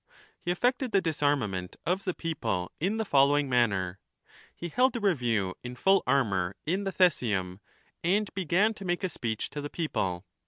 He effected the disarmament of the people in the following manner. He held a review in full armour in the Theseum, and began to make a speech to the people.